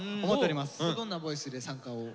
どんなボイスで参加を？